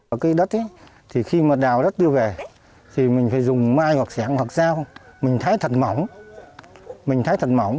ở cái đất thì khi mà đào đất đưa về thì mình phải dùng mai hoặc sẻng hoặc dao mình thái thật mỏng mình thái thật mỏng